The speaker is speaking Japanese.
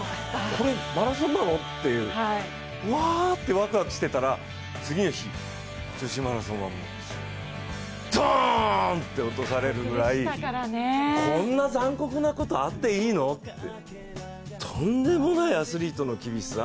これ、マラソンなの？っていう、わってワクワクしてたら次の日、女子マラソンは、もうドーンって落とされるくらい、こんな残酷なことあっていいのってとんでもないアスリートの厳しさ。